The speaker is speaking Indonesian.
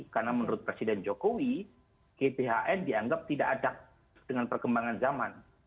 karena menurut presiden jokowi pphn dianggap tidak adat dengan perkembangan zaman